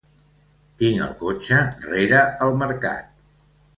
Tinc el cotxe rere el Mercat.